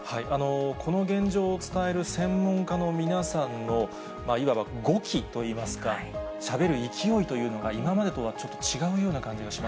この現状を伝える専門家の皆さんのいわば語気といいますか、しゃべる勢いというのが今までとはちょっと違うような感じがしま